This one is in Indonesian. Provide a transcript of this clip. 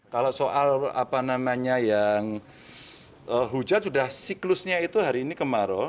kalau soal apa namanya yang hujan sudah siklusnya itu hari ini kemarau